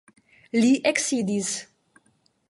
Li eksidis.